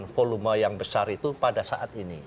volume yang besar itu pada saat ini